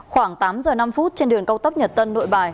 khoảng tám giờ năm phút trên đường cao tốc nhật tân nội bài